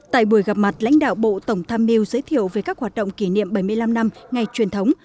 tại buổi gặp mặt lãnh đạo bộ tổng tham mưu giới thiệu về các hoạt động kỷ niệm bảy mươi năm năm ngày truyền thống